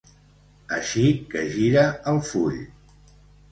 Així que gira el full.